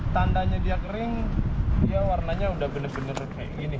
tandanya dia kering warnanya sudah benar benar seperti ini